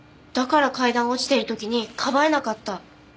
だから階段を落ちてる時にかばえなかった。